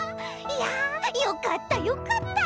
いやよかったよかった！